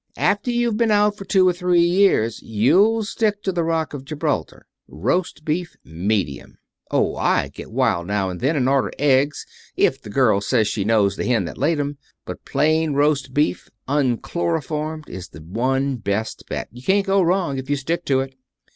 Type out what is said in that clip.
After you've been out for two or three years you'll stick to the Rock of Gibraltar roast beef, medium. Oh, I get wild now and then, and order eggs if the girl says she knows the hen that layed 'em, but plain roast beef, unchloroformed, is the one best bet. You can't go wrong if you stick to it."